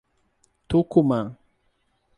Tucumã